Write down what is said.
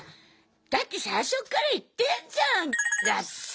だって最初っから言ってんじゃんだって！